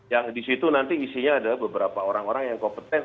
yang di situ nanti isinya ada beberapa orang orang yang kompeten